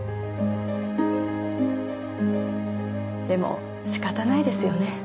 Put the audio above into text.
でも仕方ないですよね。